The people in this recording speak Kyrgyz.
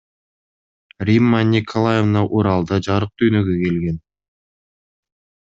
Римма Николаевна Уралда жарык дүйнөгө келген.